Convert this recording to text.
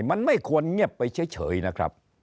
มันไม่ควรเงียบไปเฉยนะครับ